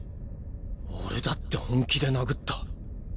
俺だって本気で殴った。